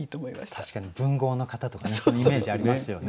確かに文豪の方とかねそういうイメージありますよね。